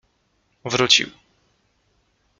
Wrócił.